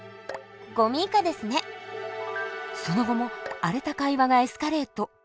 その後も荒れた会話がエスカレート。